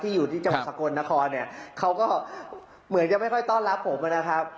อยู่ที่จังหวัดสกลนครเนี่ยเขาก็เหมือนจะไม่ค่อยต้อนรับผมนะครับ